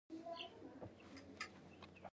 احمد تېر کال د علي په سر کې پرتوګ ور وتاړه.